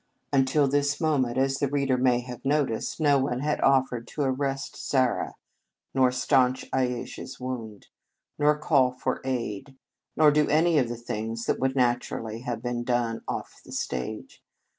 Until this moment, as the reader may have noticed, no one had offered to arrest Zara, nor staunch Ayesha s wound, nor call for aid, nor do any of the things that would natu rally have been done off the stage.